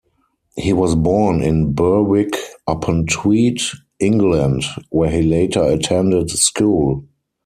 He was born in Berwick-upon-Tweed, England, where he later attended school.